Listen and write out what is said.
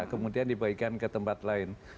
kemudian dibagikan ke tempat lain